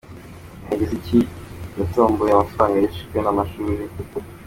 Nayigiziki Eric yatomboye amafaranga yiswe ay'ishuli.